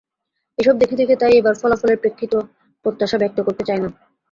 এসব দেখে দেখে তাই এবার ফলাফলের প্রেক্ষিত প্রত্যাশা ব্যক্ত করতে চাই না।